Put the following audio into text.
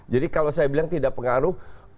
jadi kalau saya bilang tidak pengaruh